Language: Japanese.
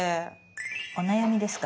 お悩みですか？